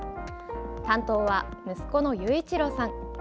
担当は息子の祐一郎さん。